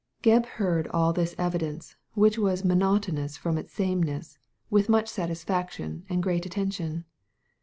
Gebb heard all this evidence, which was monotonous from its sameness, with much satisfaction and great attention.